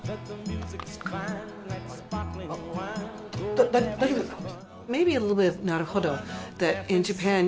だ大丈夫ですか？